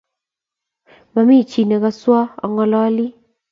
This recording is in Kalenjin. Mami chii ne kaswo angololie